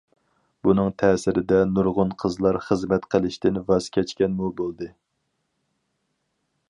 بۇنىڭ تەسىرىدە نۇرغۇن قىزلار خىزمەت قىلىشتىن ۋاز كەچكەنمۇ بولدى.